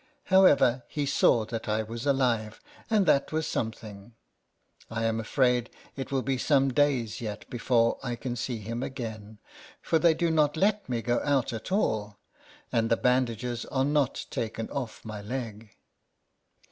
How ever, he saw that I was alive, and that was something. I am afraid it will be some days yet before 1 can see him again, for they do not let me go out at all, and the band ages are not taken off my leg.